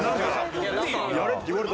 やれって言われた。